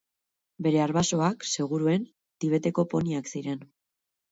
Bere arbasoak, seguruen, Tibeteko poniak ziren.